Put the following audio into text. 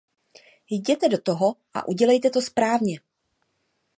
Jděte do toho a udělejte to správně!